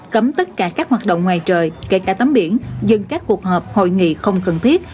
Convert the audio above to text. cấm tất cả các hoạt động ngoài trời kể cả tắm biển dừng các cuộc họp hội nghị không cần thiết